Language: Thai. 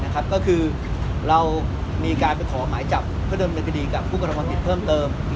ก็คือเรามีการไปขอหมายจับกระเดอะวินคดีกับฟุตรกระทะวันคิดเพิ่มเติม